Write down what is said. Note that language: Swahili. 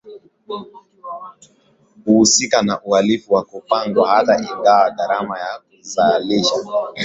huhusika na uhalifu wa kupangwa Hata ingawa gharama ya kuzalisha